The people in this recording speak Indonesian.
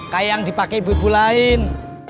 kayak yang dipakai ibu ibu lain